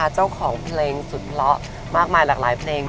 เจ้าของเพลงสุดเพราะมากมายหลากหลายเพลง